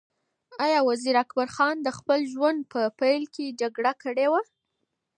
ایا وزیر اکبر خان د خپل ژوند په پیل کې جګړه کړې وه؟